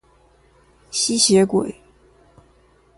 吸血鬼